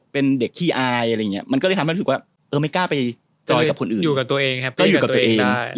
เพราะเรามันเป็นเด็กแบบใจหัวใจกรุงเทพฯ